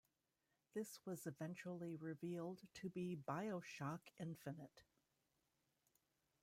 This was eventually revealed to be "BioShock Infinite".